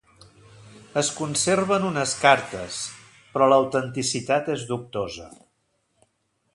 Es conserven unes cartes, però l'autenticitat és dubtosa.